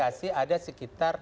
jadi kami verifikasi ada sekitar